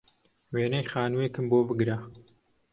وێنەی خانووێکم بۆ بگرە